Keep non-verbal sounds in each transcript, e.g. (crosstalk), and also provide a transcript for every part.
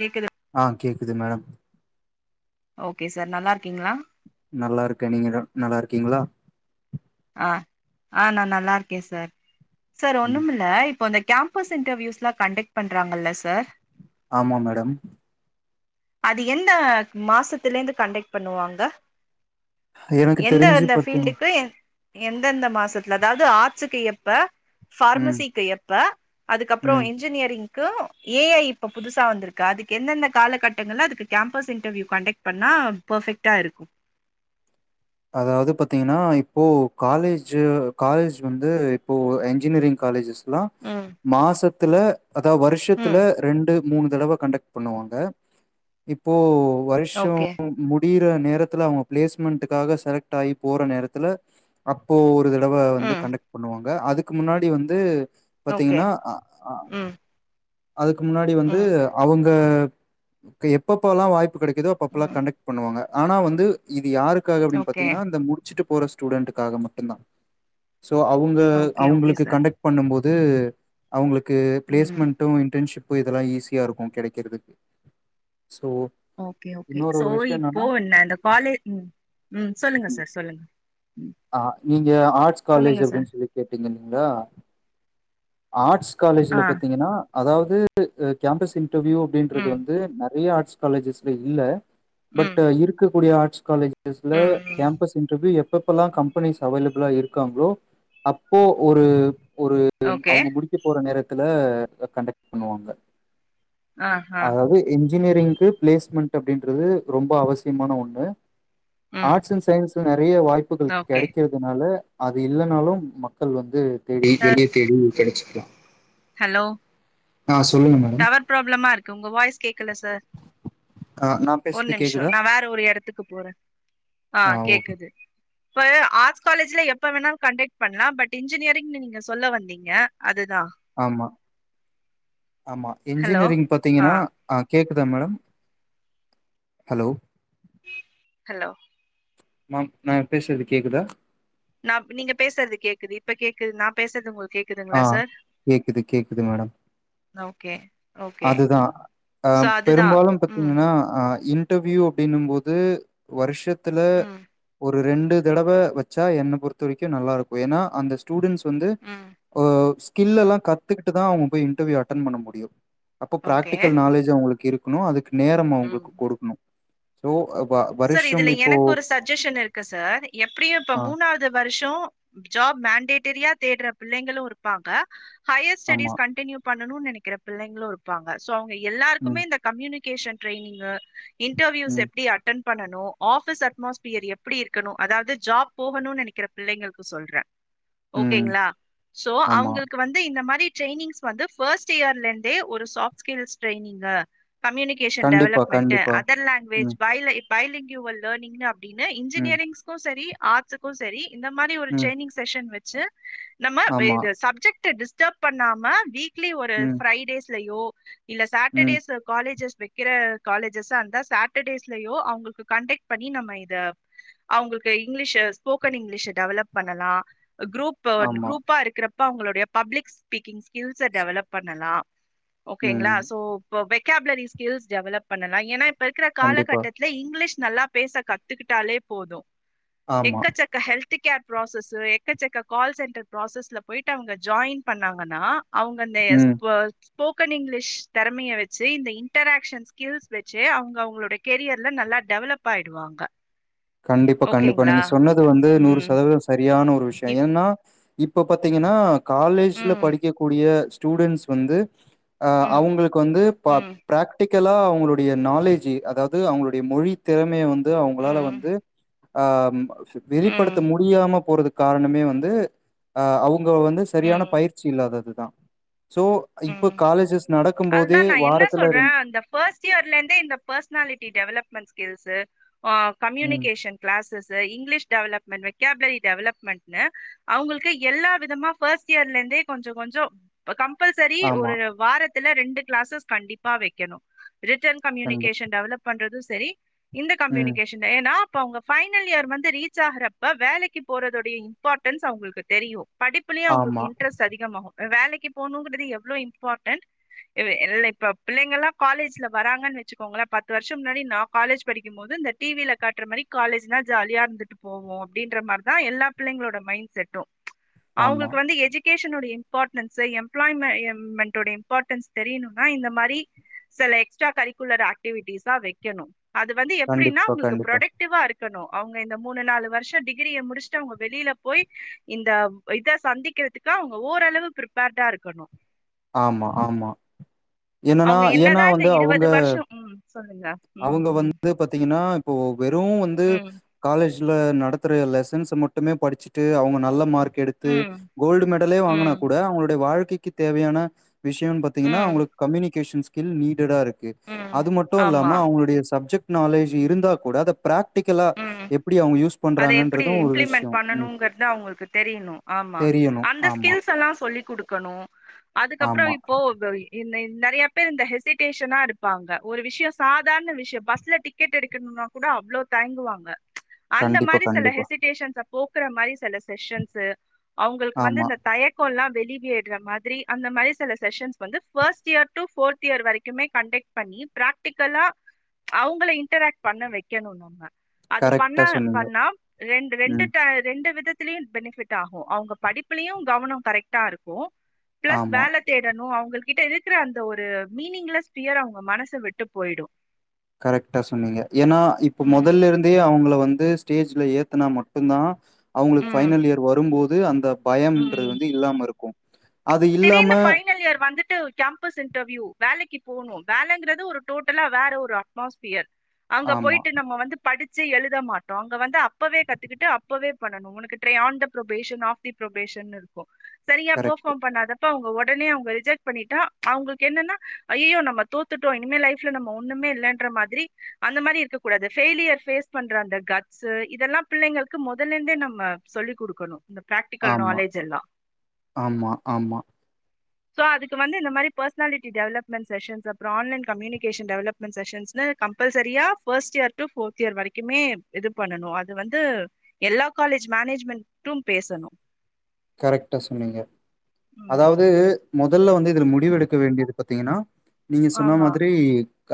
கேக்குறே ஆ கேக்குது மேடோ ஓகே சார் நல்லா இருக்கீங்களா நல்லா இருக்கே நீங்க நல்லா இருக்கீங்களா ஆ ஆ நா நல்லா இருக்கே சார் சார் ம் ஒண்ணுமில்ல இப்போ (inaudible) கண்டக்ட் பண்றாங்கல்ல சார் ஆமா மேடோ அது என்ன மாசத்துல இருந்து கண்டெக்ட் பண்ணுவாங்க எனக்கு எந்த தெரிஞ்சு அந்த பாத்தீங் பீல்டுக்கு எந் எந்தெந்த மாசத்துல அதாவது ஆட்சுக்கு எப்ப ம் பார்மசிக்கு எப்ப அதுக்கப்புறோ ம் இன்ஜினியரிங்க்கு ஏஐ இப்ப புதுசா வந்திருக்கு அதுக்கு எந்தெந்த காலக்கட்ட இவங்கள்ளா அதுக்கு கேம்பஸ் இன்டர்வியூ கண்டக்ட் பண்ணா பெர்பெக்டா இருக்கு அதாவது பாத்தீங்கன்னா இப்போ காலேஜு காலேஜ் வந்து இப்போ என்ஜினியரிங் காலேஜஸ் லா ம் மாசத்துல அதா வருஷத்துல ம் ரெண்டு மூணு தடவ கண்டக்ட் பண்ணுவாங்க இப்போ வருஷோ ஓகே மு முடியிற நேரத்துல அவுங்க பிளேஸ்மண்டுக்காக செலக்ட் ஆகி போற நேரத்துல அப்போ ஒரு தடவ வந்து ம் கண்டக்ட் பண்ணுவாங்க அதுக்கு முன்னாடி வந்து ஓகே பாத்தீங்கன்னா அ ஆ ம் அதுக்கு முன்னாடி வந்து ம் அவுங்க எப்பப்பல்லா வாய்ப் பு கெடைக்குதோ அப்பப்பல்லா ம் கண்டக்ட் பண்ணுவாங்க ஆனா வந்து இது யாருக்காக அப்டின் ஓகே பாத்தீங்கன்னா அந்த முடுச்சுட்டு போற ஸ்டூடண்டுக்காக மட்டுந் தா சோ அவுங்க ஓகே ஓகே அவுங்களுக்கு சார் கண்டக்ட் பண்ணும் போது அவுங்களுக்கு ம் ப்ளேஸ்மண்ட் டு இன்டன்ஷிப்பு இதெல்லா ஈஸியா இருக்கு கெடைக்கறதுக்கு சோ ஓகே ஓகே சோ இப்போ நா இந்த காலே ம் ம் சொல்லுங்க சார் சொல்லுங்க ம் ஆ நீங்க ஆர்ட்ஸ் காலேஜ் சொல்லுங்க சார் அப்டின் சொல்லி கேட்டீங்க நீங்க ஆட்ஸ் காலேஜுல ஆ பாத்தீங்கன்னா அதாவது கேம்பஸ் இன்டர்வியூ அப்டின்றது ம் வந்து நெறைய ஆட்ஸ் காலேஜஸ்ல இல்ல ம் பட்டு இருக்கக்கூடிய ஆட்ஸ் காலேஜஸ்ல ம் ம் கேம்பஸ் இன்டர்வியூ எப்பப்பல்லா கம்பனிஸ் அவய் லபிளா இருக்காங்களோ அப்போ ஒரு ஒரு ஓகே அவுங்க முடி க்க போற நேரத்துல கண்டக்ட் பண்ணுவாங்க ஆ ஆ அதாவது இன்ஜினியரிங்க்கு பிளேஸ்மண்ட்டு அப்டின்றது ரொம்ப அவசியமான ஒண்ணு ம் ஆர்ட்ஸ் அண் சயின்ஸ்ல நெறைய வாய்ப்புகள் ஓகே கெடைக்க கனால அது இல்லனாலு மக்கள் வந்து தேடி சார் தேடி தேடி கெடச்சுக்லா ஹலோ ஆ சொல்லுங்க மேம் டவர் ப்ராப்ளமா இருக்கு உங்க வாய்ஸ் கேக்கல சார் ஆ நா ஒர் நிம்ஷோ நா வேற ஒரு எடத்துக்கு போறே ஆ கேக்குது இப்ப ஆர்ட்ஸ் காலேஜ்ல எப்ப வேணாலு கண்டெக்ட் பண்லா பட் இன்ஜினியரிங்னு நீங் நீங்க சொல்ல வந்தீங்க அதுதா ஆமா ஆமா ஹலோ இன்ஜினியரிங் ஆ பாத்தீங்கன்னா ஆ கேக்குதா மேடம் ஹலோ ஹலோ மேம் நா பேசுறது கேக்குதா நா நீங்க பேசுறது கேக்குது இப்ப கேக்குது நா பேசறது ஒங்களுக் ஆ கேக்குது கேக்குது மேடம் ஓகே ஓகே அதுதா அ சோ அதுதா பெரும்பாலு ம் பாத்தீங்கன்னா அ இன் டர்வியூ அப்டினம் போது வருஷத்துல ம் ஒரு ஒரு ரெண்டு தடவ வச்சா என்ன பொறுத்த வரைக்கு நல்லா இருக்கு ஏன்னா அந்த ஸ்டூடன்ஸ் வந்து ம் ஆ ம் ஸ்கில்லல்லா கத்துக்கிட்டு தா அவுங்க போய் இன்டர்வியூ அட்டன் பண்ண முடியு அப்ப ஓகே பிராக்டிகல் நாலேஜ் அவுங்களுக்கு இருக்கணு அதுக்கு நேரமு அவுங்களுக்கு ம் கொடுக்கணு சோ ப சார் இதுல எனக்கு ஒரு சஜ்ஜஷன் இருக்கு சார் எப்டியு இப்ப ஆ மூணாவது து வருஷோ ஜாப் மேண்டேட்டரியா தேடுற பிள்ளைங்களு இருப்பாங்க ஹையர் ஆமா. ஸ்டடிஸ் கண்டினியூ பண்ணனு நெனைக்கற பிள்ளைங்களு இருப்பாங்க சோ அவுங்க எல்லாருக்குமே ம், இந்த கம்யூனிகேஷன் ட்ரைனிங்கு இன்டர்வியூஸ் ம், எப்டி அட் பண்ணனு ஆஃபிஸ் அட்மாஸ்பியர் எப்பிடி இருக்கணு அதாவது ஜாப் போகணுனு நெனைக்கற பிள்ளைங்களுக்கு சொல்றே ம். ஓகேங்களா சோ ஆமா. அவங்களுக்கு வந்து இந்த மாரி டிரைனிங்ஸ் வந்து ஃபஸ்ட் இயர்ல இருந்தே ஒரு சாஃப்ட்ஸ் ஸ்கில் டிரைனிங்க கம்யூனிக் எஜிகேஸன் கண்டிப்பா, டெவலப்மெண்ட்டு கண்டிப்பா. அதர் லாங்குவேஜ் ம், பைல பைலிங் யூவல் லேர்னிங் அப்டின்னு ம், இன்ஜினியரிங் க்கு செரி ஆட்ஸ்ஸுக்கு செரி இந்த மாரி ஒரு ம். ட்ரைனிங் செக்சன் வச்சு நம்ம வே ஆமா. சப்ஜெக்ட் டு டிஸ்டப் பண்ணாம வீக்லி ஒரு ம், ஃபிரைடேஸ்லயோ இல்ல ம். சாட்டர்டேஸ் காலேஜஸ் வைக்கிற காலேஜேஸ்ஸா இருந்தா சாட்டர்டேஸ்லயோ அவங்களுக்கு கண்டெக்ட் பண்ணி நம்ம இத அவங்களுக்கு இங்கிலீஷ் ஸ்போக்கன் இங்கிலீஷ் டெவலப் பண்ணலா குரூப் இப்ப ஒரு ஆமா. குரூப்பா இருக்கிறப்ப அவங்களுடைய பப்ளிக் ஸ்பீக்கிங் ஸ்கில்ஸ்ச டெவலப் பண்ணலா ம் ஓகேங்களா சோ இப்போ வெகாபுலரி ஸ்கில்ஸ் டெவலப் பண்ணலா ஏன்னா இப்ப இருக்கிற கண்டிப்பா. காலகட்டத் தில் இங்கிலீஷ் நல்லா பேச கத்துக்கிட்டாலே போது ஆமா. எக்கச்சக்க ஹெல்த் கேர் ப்ராசஸ் எக்கச்சக்க கால் சென்டர் ப்ராசஸ்ல போய்ட்டு அவுங்க ஜாயின் பண்ணாங்கன்னா அவுங்க அந்த ம். எக்ஸ்போட் ஸ்போக்கன் இங்கிலீஷ் திறமைய வச்சி இந்த இன்டராகஷன் ஸ்கில்ஸ் வச்சு அவங்க அவங்களோட கெரியர் இன்னும் நல்லா டெவலப் ஆய்டுவாங்க கண்டிப்பா கண்டிப்பா நீங்க சொன்னது வந்து நூறு ம் சதவீத சரியான ஒரு விஷயோ இப்- ஏன்னா இப்ப பாத்தீங்கன்னா காலேஜ்ல ம் படிக்கக் கூடிய ஸ்டூடென்ஸ் வந்து அ ம் அவுங்களுக்கு வந்து பா ம் பிராக்டிக்கலா அவங்களுடைய பிராக்டிக்கல்லா அவுங்களுடைய நாலேஜ் அதாவது அவங்களுடைய மொழி திறமைய வந்து அவங்களால ம் வந் து ஆ ம் வெளிப்படுத்த முடியாம போறது காரணமே வந்து அவுங்க வந்து சரியான ம் பயிற்சி இல்லாததுதான் சோ இப்போ காலேஜஸ் நடக் அதுதான் நான் என்ன சொல்றேன் அந்த ஃபஸ்ட் சியார்லந்தே இந்த பர்சனாலிட்டி டெவலப்மெண்ட் ஸ்கில்ஸ் அ ம். Communication classes English development vocabulary development ன்னு அவுங்களுக்கு எல்லா விதமா ஃபஸ்ட் இயர்ல இருந்தே கொஞ்சோ கொஞ்சோ கம்பல்சரி ஆமா. ஒரு வாரத்துல ரெண்டு கிளாஸஸ் கண்டிப்பா வைக்கணு ரிட்டன் கண்டிப் கம்யூனிகேஷன் டெவலப் பண்றது செரி இந்த ம். கம்யூனிகேஷன் ன் ஏன்னா அப்ப அவுங்க பைனல் இயர் வந்து ரீச் ஆகுறப்ப வேலைக்கு போறதுடைய இ இம்பார்ட்டன்ஸ் அவுங்களுக்கு தெரியும் படிப்புலயு ஆமா, அவங்களுக்கு இன்ட்ரெஸ்ட் அதிகமாகும் வேலைக்கு போணுங்கிறது எவ்ளோ இம்பார்ட்டண்ட் இது இல்ல இப்ப பிள்ளைங்கல்லாம் காலேஜ்ல வராங்கன்னு வச்சுக்கோங்களேன் பத்து வருஷம் முன்னாடில்லாம் நான் காலேஜ் படிக்கும் போது இந்த டிவியில காட்டுற மேரி காலேஜ்ன்னா ஜாலியா இருந்துட்டு போவோம் அப்டின்ற மாரிதான் எல்லா பிள்ளைங்களோட மைண்ட் செட்டும் ஆமா. அவங்களுக்கு வந்து எஜ்கேஷனுடைய இம்பார்ட்டன்ஸ்சு எம்ப்ளாய்மெமெண்ட்டுடைய இம்பார்ட்டன்ஸ் தெரியணும்னா இந்த மாரி சில எக்ஸ்ட்ரா கரிக்குலர் ஆக்டிவிட்டிஸ்லா வைக்கணும் அது வந்து எப்டினா கண்டிப்பா, உங்களுக்கு கண்டிப்பா. ப்ரொடக்டிவா இருக்கு க்கணும் அவுங்க இந்த மூணு நாலு வருஷம் டிகிரிய முடிஸ்ட்டு அவுங்க வெளில போய் இந்த இத சந்திக்கிறதுக்கு அவுங்க ஓரளவு ப்ரிப்பேர்டா இருக்கணும் ஆமா ஆமா என்னன்னா அவங்க என்னதா ஏன்னா இந்த வந்து இருவது அவ்ங்க வருஷோ ம் சொல்லுங்க ம் அவுங்க ம் வந்து பாத்தீங்கன்னா இப்போ வெறும் வந்து ம் காலேஜ்ல நடத்துற லெசன்ஸ்ச மட்டுமே படிச்சுட்டு அவுங்க நல்ல மார்க் கெடுத்து ம் கோல்டு மெடலே வாங்கனா ம் கூட அவங்களுடைய வாழ்க்கைக் க்கு தேவையான விஷயம் பாத்தீங்கன்னா ம் அவுங்களுக்கு கம்யூனிகேஷன் ஸ்கில் நீடடா இருக்கு க்கு ம் அது மட்டும் இல்லா ஆமா உங்களுடைய சப்ஜெக்ட் நாலேஜ் இருந்தா கூட அத பிராக்டிக்கல்லா ம் எப்டி அவுங்க யூஸ் அத எப்டி பண்றாங்கன்றதும் ஒரு இம்ப்ளிமெண்ட் விஷயம். ம். பண்ணணுங்கறத அவங்களுக்கு தெரியணு ஆமா தெரியணும். அந்த ஆமா, ஸ்கில்ஸ் எல்லா சொல்லிக் குடுக்கணு அதுக்கப்புற ஆமா. இப்போ இந்த நெறைய பேர் இந்த ஹெசிடேஷனா எடுப்பாங்க ஒரு விஷ்யோ சாதாரண விஷ்ய பஸ்ல டிக் கெட் எடுக்கணும்னா கூட அவ்வளோ தயங்குவாங்க அந்த கண்டிப்பா, மாரி செல கண்டிப்பா. ஹெசிடேஷன்ஸ போக்குற மாரி சில செஷன்ஸூ அவங்களுக்கு வந்து ஆமா. இந்த தய கல்லா வெளியேருர மாதிரி அந்த மாதிரி சில செஷன்ஸ் வந்து first year to fourth year வரைக்குமே கண்டக்ட் பண்ணி பிராக்டிக்கலா அவங்கள இன்டராக்ட் பண்ண வைக்கணு நம்ம அது பண்ண கரெக்ட்டா சொன்னீங்க. பண்ணா ரெண்டு ம். ரெண்டு ரெண்டு வித த்திலயு பெனிபிட் ஆகு அவங்க படிப்புலயு கவனம் கரெக்டா இருக்கும் பிளஸ் ஆமா. வேல தேடணும் அவங்க கிட்ட இருக்கிற அந்த ஒரு மீனிங்லெஸ் பியர் அவங்க மனச விட்டு போய்டு கரெக்ட்டா சொன்னீங்க ஏன்னா இப்ப ம் மொதல்ல இருந் தபயே அவங்கள வந்து ஸ்டேஜ்ல ஏத்துனா மட்டுந்தா அவங்களுக்கு ம் பைனல் இயர் வரும்போது அந்த பயம்ன்றது ம் வந்து இல்லாம இருக்கு திடீர்னு பைனல் இயர் வந்துட்டு டம்ப் கேம்பஸ் இன்டர்வியூ வேலைக்கு போனு வேலன்றது ஒரு டோட்டலா வேற ஒரு அட்மாஸ்பியர் அங்க ஆமா. போய்ட்டு நம்ம வந்து படிச்சே எழுத மாட்டோ அங்க வந்து அப்பவே கத்துக்கிட்டு அப்பவே பண்ணணு ஒனக்கு try on the probation of the பரொபேஷன்னு இருக்கும் சரியா கரெக்ட். ஃபேர்பாம் பண்ணாதப்ப அவங்க ஒடனே அவங்க ரிஜெக்ட் பண்ணிட்டா அவங்களுக்கு என்னன்னா ஐயயோ நம்ம தோத் துட்டோ இனிமே லைஃப்ல நம்ம ஒண்ணுே இல்லன்ற மாதிரி அந்த மாரி இருக்க கூடாது ஃபெய்லியர் பேஸ் பண்ற அந்த கட்ஸூ இதெல்லா பிள்ளைங்களுக்கு மொதல்ல இருந்தே நம்ம சொல்லிக் குடுக்கணும் இந்த பிராக்டிக்கல் ஆமா, நாலேஜ் எல்லா ஆமா ஆமா சோ அதுக்கு வந்து இந்த மாரி பர்சனாலிட்டி டெவலப்மெண்ட் செஷன்ஸ் அப்றொ ஆன்லைன் கம்யூனிகேஷன் டெவலப் மென் செஸன்ஷ்னு கம்பல்சரியா first year to fourth year வரைக்குமே இது பண்ணனு அது வந்து எல்லா காலேஜ் மேனேஜ்மெண்டு பேசணு கரெக்ட்டா சொன்னீங்க ம் அதாவது முதல்ல வந்து இதுல முடிவு எடுக்க வேண்டியது பாத்தீங்கன்னா நீங்க சொன்ன ஆமா மாதிரி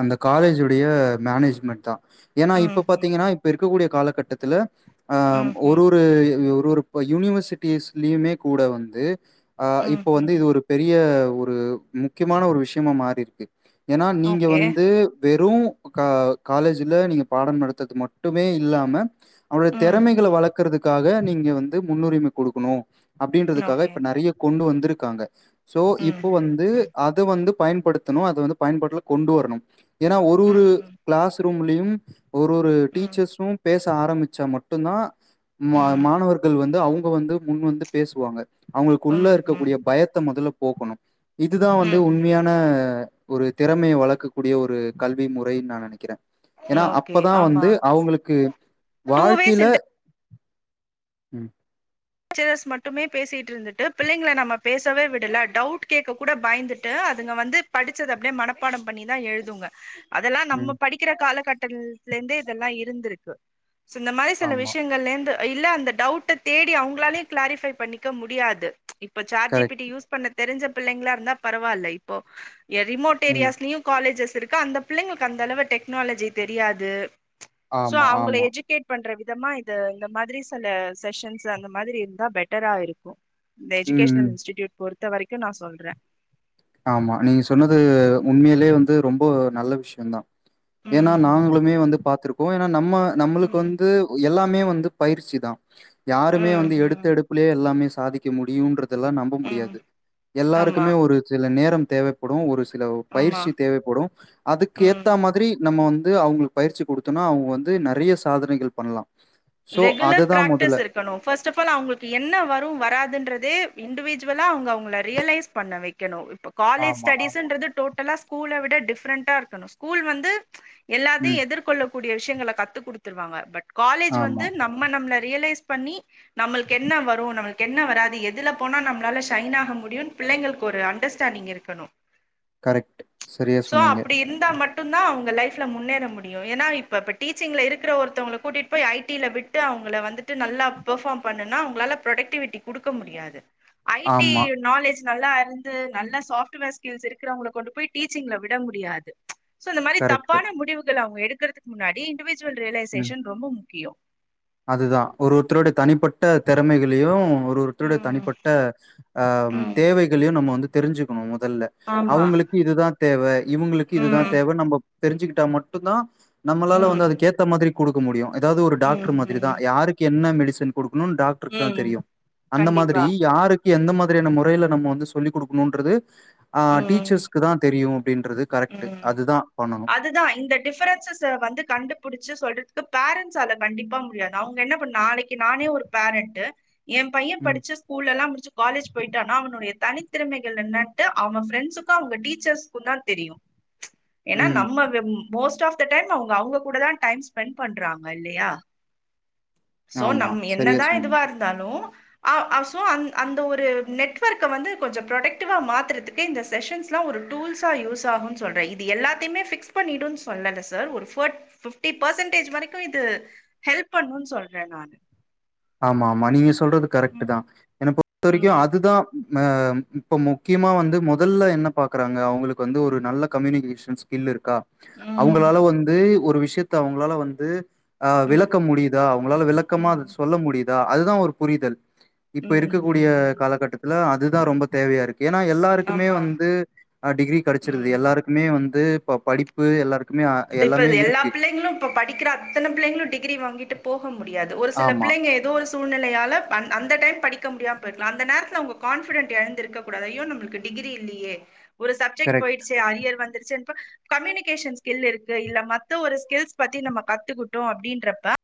அந்த காலேஜுடைய மேனேஜ்மெண்ட் தா ஏன்னா ம் இப்ப ம் பாத்தீங்கனா இப்ப இருக்கக்கூடிய காலகட்டத்தில அ ம் ஒரு ம் ஒரு ஒரு ஒரு யூனிவர்சிட்டீஸ் லயுமே கூட வந்து அ ம் இப்போ வந்து ம் இது ஒரு பெரிய ஒரு முக்கியமான ஒரு விஷ்யமா மாறி இருக்கு ஏன்னா நீங்க ஓகே வந்து வெறு கா காலேஜ்ல நீங்க பாடம் நடத்துறது மட்டுமே இல்லாம அவனுடைய ம் திறமைகளை ம் வளர்க்கறதுக்காக நீங்க வந்து முன்னுரிமை கொடுக்கணும் அப்படின்றதுக்காக ஓகே இப்ப நெறைய கொண்டு வந்திருக்காங்க சோ ம் இப்ப ம் வந்து ம் அதை வந்து பயன்படுத்தணும் அத வந்து பயன்படுத்தனு அதவந்து பயன்பாட்டுல கொண்டு வரணு ஏன்னா ஒரு ஒரு ம் கிளாஸ் ரூம்லயும் ஒரு ஒரு ம் ம் டீச்சர்ஸும் பேச ஆரம்பிச்சா மட்டுந்தா மா ம் மாணவர்கள் வந்து அவங்க வந்து முன் வந்து பேசுவாங்க அவங்களுக்கு உள்ள ம் இருக்கக்கூடிய பயத்த மொதல்ல போக்கணு இதுதா வந்து ம் ம் உண்மையான ஒரு திறமையை வளர்க்கக்கூடிய ஒரு கல்வி முறைன் நா நெனைக்கிறே ஏன்னா ஓகே அப்பதா ஆமா வந்து அவங்களுக்கு டூ வேஸ் வாழ்க்கையில ம், டீச்சர்ஸ் மட்டுமே பேசிட்டு இருந்துட்டு பிள்ளைங்கள நம்ம பேசவே விடல டவுட் கேட்க கூட பயந்துட்டு அதுங்க வந்து படிச்சதப்படியே மனப்பாடம் பண்ணிதா எழுதுங்க அதெல்லா ம். நம்ம படிக்கிற காலகட்டலத்தலருந்தே இதெல்லா இருந்திருக்கு சோ இந்த மாரி சில ஆமா. விஷயங்கள்லேந்து இல்ல அந்த டவுட்ட தே அவுங்களாவே க்ளாரிபை பண்ணிக்க முடியாது இப்ப chat G P correct. T use பண்ண தெரிஞ்ச பிள்ளைங்களா இருந்தா பரவால்ல இப்போ ரிமோட் ம். ஏரியாஸ்லயும் காலேஜஸ் இருக்கு அந்த பிள்ளைங்களுக்கு அந்த அளவு டெக்னாலஜி தெரியாது சோ ஆமா, அவங்கள ஆமா. எஜுகேட் பண்ற விதமா இது இந்த மாதிரி சில செக்ஷன்ஸ் அந்த மாதிரி இருந்தா பெட்டரா இருக்கு இந்த ம். எஜுகேஷனல் ம். இன்ஸ்டிடூட் பொறுத்த வரைக்கு நா சொல்றே ஆமா நீங்க சொன்னது உண்மையிலயே வந்து ரொம்ப நல்ல விஷயம்தா ஏன்னா ம் நாங்களுமே ம் வந்து பாத்துருப்போ ஏன்னா நம்ம நம்மளுக்கு ம் வந்து எல்லாமே வந்து பயிற்சி தா யாருமே வந்து ம் எடுத்த ம் எடுப்பிலயே எல்லாமே சாதிக்க முடியும்ன்றதெல்லாம் நம்ம ம் முடியாது ஆமா எல்லாருக்குமே ஒரு சில நேரம் தேவ படும் ஒரு சில ஆமா பயிற்சி தேவைப்படும் அதுக்கு ம் ஏத்த மாதிரி நம்ம வந்து அவுங்களுக்கு பயிற்சி குடுத்தோம்னா அவுங்க வந்து நெறைய சாதனை பண்ணலா சோ ரெகுலர் அதுதா பிராக்டிஸ் முதல்ல ஃபர்ஸ்ட் ஆஃப் ஆல்அவுங்களுக்கு என்ன வரும் வராதுன்றத இண்டிவிஜுலா அவுங்க அவங்கள ரியலைஸ் பண்ண வைக்க ணும் இப்ப காலேஜ் ஆமா, ஆமா. ஸ்டடிஸ்ன்றது டோட்டலா ஸ்கூல்ல விட டிஃப்ரெண்டா இருக்கணும் ஸ்கூல் வந்து ம். எல்லாத்தையு எதிர்கொள்ளக் கூடிய விஷயங்களை கத்துக் குடுத்துருவாங்க பட் காலேஜ் வந்து ஆமா. நம்ம நம்மள ரியலைஸ் பண்ணி நம்மளுக்கு என்ன வரும் நம்மளுக்கு என்ன வராது எதுல போனா நம்ளால ஷைன் ஆக முடியும் பிள்ளைங்களுக்கு ஒரு அண்டர்ஸண்ட் நீங்க இருக்கணு கரெக்ட். சரியா சோ சொன்னீங்க. அப்டி இருந்து இருந்தா மட்டும் தா அவுங்க லைஃப்ல முன்னேற முடியும் ஏன்னா இப்ப டீச்சிங்ல இருக்குற ஒருத்தவங்க கூட்டிட்டு போய் ஐ டில விட்டு அவங்கள வந்துட்டு நல்லா பெர்பார்ம் பண்ணுனா அவங்களால ப்ரொடக்டிவிட்டி குடுக்க முடியாது ஐடி ஆமா. நாலேஜ் நல்லா அ இருந்து நல்லா சாஃப்ட்வேர் ஸ்கில்ஸ் இருக்கிறவங்கள கொண்டு போய் டீச்சிங்ல விட முடியாது சோ இந்த மாதிரி கரெக்ட். தப்பான முடிவுகள் அவுங்க எடுக்கறதுக்கு முன்னாடி இண்டுஜுவல் ரியலைசேஷன் ரொம்ப முக்கியம் அதுதா ஒரு ஒருத்தருடைய தனிப்பட்ட திறமைகளையும் ஒரு ஒருத்தருடைய ம் தனிப்பட்ட அ ம் தேவைகளையும் நம்ம வந்து தெரிஞ்சுக்கணும் முதல்ல ஆமா அவுங்களுக்கு இதுதா தேவ இவுங்களுக்கு இதுதா ம் தேவ நம்ம தெரிஞ்சுக்கிட்டா மட்டுந்தா நம்மளால வந்து ம் அதுக்கேத்த மாதிரி குடுக்க முடியும் ஏதாவது ஒரு டாக்டர் ம் மாதிரி தா ம் யாருக்கு என்ன என்ன மெடிசன் குடுக்கணும் டாக்டருக்கு தா ம் தெரியும் அந்த மாதிரி கண்டிப்பா யாருக்கு எந்த மாதிரியான முறையில நம்ம வந்து சொல்லிக் குடுக்கணுன்றது அ ம் டீச்சர்ஸ்க்கு தா தெரியும் அப்டின்றது கரு ம் அதுதா இந்த டிஃபரன்சஸ் வந்து கண்டுபிடிச்சு சொல்றதுக்கு பேரன்ட்ஸ் அத கண்டிப்பா முடியாது அவங்க என்ன பண்ண நாளைக்கு நானே ஒரு பேரண்ட் என் பைய ம், படிச்ச ஸ்கூல்ல எல்லாம் முடிச்சு காலேஜ் போயிட்டானா அவனுடைய தனித்திறமைகள் என்னாட்டு அவே ஃப்ரண்ட்ஸ்க்கும் அவுங்க டீச்சர்ஸ்க்கும் தா தெரியு ஏன்னா ம். நம்ம மோஸ்ட் ஆஃப் த டைம் அவுங்க அவங்க கூட தா டைம் ஸ்பெண்ட் பண்றாங்க இல்லயா சோ ஆமா. நம் சரியா என்னதா சொன்னீங்க. இதுவா இருந்தாலும் ஆ சோ அந்த ஒரு நெட்வொர்க்கை வந்து கொஞ்சம் ப்ரொடக்டிவா மாத்துறதுக்கு இந்த செஷன்ஸ்லாம் ஒரு டூல்ஸ் யூஸ் ஆகும்னு சொல்றே இது எல்லாத்தையுமே பிக்ஸ் பண்ணிடுனு சொல்லல சார் ஒரு ஃபர்ட் ஃபிப்டி பெர்சன்டேஜ் வரைக்கு இது ஹெல்ப் பண்ணும்னு சொல்றே நான் ஆமா ஆமா நீங்க சொல்றது கரெக்ட் தா என்ன பொறுத்த வரைக்கும் ம் அதுதா அ இப்ப முக்கியமா வந்து முதல்ல என்ன பாக்குறாங்க அவுங்களுக்கு வந்து ஒரு நல்ல கம்யூனிகேஷன்ஸ் இல் இருக்கா ம் அவுங்களால வந்து ஒரு விஷயத்த அவுங்களால வந்து அ ம் விளக்க முடியுதா அவுங்களால விளக்கமா ம் சொல்ல முடியுதா அதுதா ஒரு புரிதல் இப்ப ம் இருக்கக்கூடிய ம் ம் காலகட்டத்துல அதுதா ரொம்ப தேவையா இருக்கு ஏன்னா எல்லாருக்குமே ஆமா வந்து டிகிரி கெடைச்சிருது ம் எல்லாருக் மே வந்து இப்ப படிப்பு எல்லாருக்குமே ஆ இப்ப இது எல்லா பிள்ளைங்களு இப்ப படிக்கிற அத்தன பிள்ளைங்களு டிகிரி வாங்கிட்டு போக முடியாது ஒரு சில ஆமா பிள்ளைங்க எதோ ஒரு சூழ்நிலையால அந் அந்த டைம் படிக்க முடியாம போயிரு அந்த நேரத்தில உங்க கான்பிடெட் எழுந்திருக்க கூடயோ நம்மளுக்கு டிகிரி இல்லியே ஒரு சப்ஜெக்ட் கரெக்ட். போயிடுச்சு அரியர் வந்துருச்சுன்ன கம்யூனிகேஷன் ஸ்கில் இருக் இல்ல மத்த ஒரு ஸ்கில்ஸ் பத்தி நம்ம கத்துக்கிட்டோ அப்படின்றப்ப